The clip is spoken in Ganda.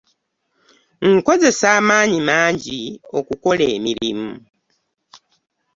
Nkozesa amaanyi mangi okukola emirimu.